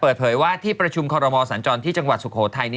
เปิดเผยว่าที่ประชุมคอรมอสัญจรที่จังหวัดสุโขทัย